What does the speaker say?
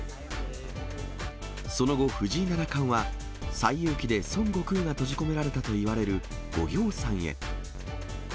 その後、藤井七冠は、西遊記で孫悟空が閉じ込められたといわれる五行山へ。